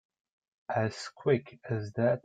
As quick as that?